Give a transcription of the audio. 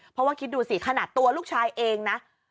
เพราะว่าคิดดูสิขนาดตัวลูกชายเองนะ